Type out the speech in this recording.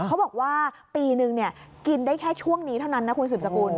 เขาบอกว่าปีนึงกินได้แค่ช่วงนี้เท่านั้นนะคุณสืบสกุล